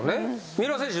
三浦選手